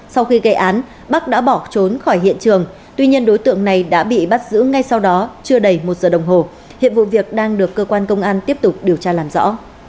sau khi gây án bắc đã bỏ trốn khỏi hiện trường tuy nhiên đối tượng này đã bị bắt giữ ngay sau đó chưa đầy một giờ đồng hồ hiện vụ việc đang được cơ quan công an tiếp tục điều tra làm rõ